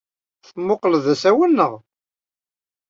Temmuqqleḍ d asawen, naɣ?